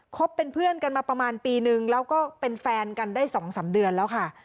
บเป็นเพื่อนกันมาประมาณปีนึงแล้วก็เป็นแฟนกันได้๒๓เดือนแล้วค่ะ